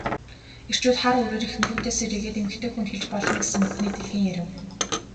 Эрчүүд хар үүрээр эхнэрүүдээ сэрээгээд эмэгтэй хүнд хэлж болно гэсэн бүхнээ дэлгэн ярив.